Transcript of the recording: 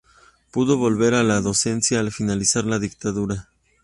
Pudo volver a la docencia al finalizar la dictadura.